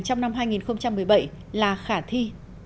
trong năm hai nghìn một mươi bảy là khả thi